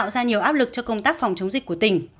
đều áp lực cho công tác phòng chống dịch của tỉnh